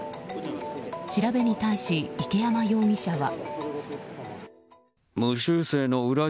調べに対し、池山容疑者は。